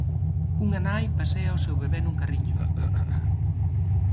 Unha nai pasea o seu bebé nun carriño.